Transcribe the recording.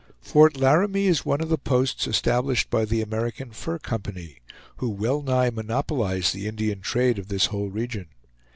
Fort Laramie is one of the posts established by the American Fur Company, who well nigh monopolize the Indian trade of this whole region.